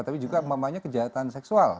tapi juga mamanya kejahatan seksual